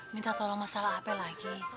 minta tolong masalah apa lagi